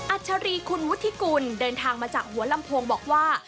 อัชรีคุณวุฒิกุลเดินทางมาจากหัวลำโพงบอกว่า